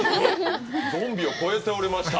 ゾンビを超えておりました。